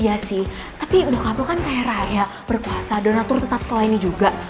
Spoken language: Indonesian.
iya sih tapi bokap lo kan kayak raya berkuasa dan ratur tetap sekolah ini juga